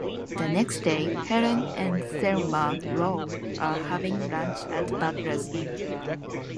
The next day, Helen and Thelma Lou are having lunch at Butler's Inn.